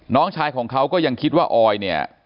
น้องชายของเขาก็ยังคิดว่าออยเนี่ย